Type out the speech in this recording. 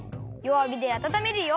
わびであたためるよ。